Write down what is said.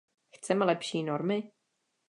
Chceme lepší normy?